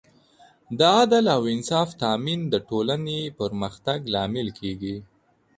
د عدل او انصاف تامین د ټولنې پرمختګ لامل کېږي.